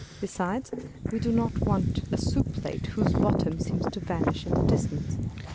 Besides, we do not want a soup plate whose bottom seems to vanish in the distance.